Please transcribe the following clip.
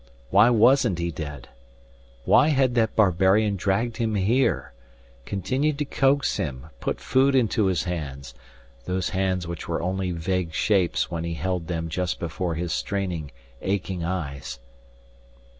Why wasn't he dead! Why had that barbarian dragged him here, continued to coax him, put food into his hands, those hands which were only vague shapes when he held them just before his straining, aching eyes.